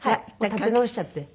建て直しちゃって。